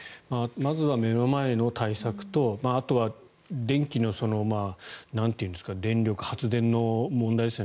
まずは目の前の対策とあとは電気の発電の問題ですね。